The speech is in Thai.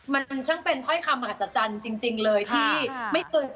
มั่นซึ่งเป็นท่อยคำศจันจริงจริงเลยที่ไม่เกิน